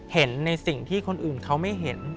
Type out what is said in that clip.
เห็นในสิ่งที่คนอื่นเขาไม่เห็น